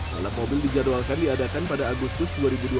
balap mobil dijadwalkan diadakan pada agustus dua ribu dua puluh